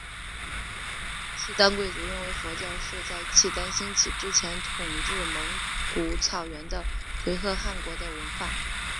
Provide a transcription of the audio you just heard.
契丹贵族认为佛教是在契丹兴起之前统治蒙古草原的回鹘汗国的文化。